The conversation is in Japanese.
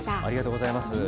ありがとうございます。